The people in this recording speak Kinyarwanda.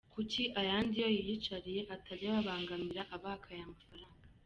Kuki ayandi yo yiyicariye atajya ababangamira abaka aya mafaranga?